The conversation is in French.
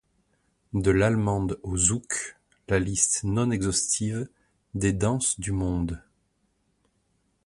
De l'Allemande au Zouk, la liste non exhaustive des danses du monde.